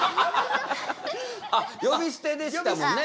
あ呼び捨てでしたもんね